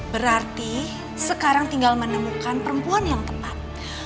berarti sekarang tinggal menemukan perempuan yang tepat